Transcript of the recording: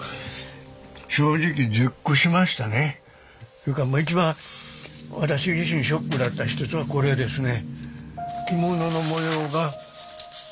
それから一番私自身ショックだった一つがこれですね。